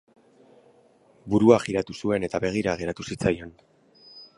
Burua jiratu zuen eta begira geratu zitzaion.